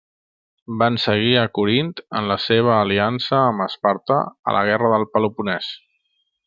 Van seguir a Corint en la seva aliança amb Esparta a la guerra del Peloponès.